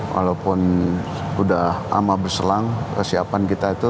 walaupun sudah lama berselang kesiapan kita itu